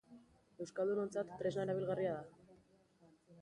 Euskaldunontzat tresna erabilgarria da.